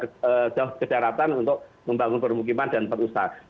agak kejaratan untuk membangun permukiman dan perusahaan